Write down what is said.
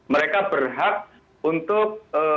mereka berhak untuk